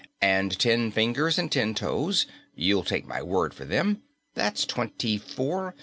And ten fingers and ten toes you'll take my word for them? that's twenty four.